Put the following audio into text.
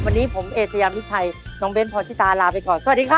วันนี้ผมเอเชยามิชัยน้องเบ้นพรชิตาลาไปก่อนสวัสดีครับ